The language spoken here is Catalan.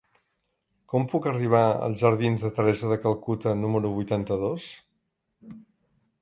Com puc arribar als jardins de Teresa de Calcuta número vuitanta-dos?